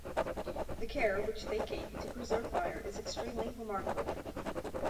The care which they cake to preserve fire is extremely remarkable.